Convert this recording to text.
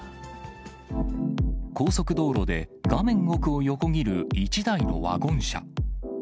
高速道路で、画面奥を横切る１台のワゴン車。